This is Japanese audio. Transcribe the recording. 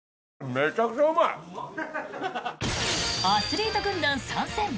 アスリート軍団参戦！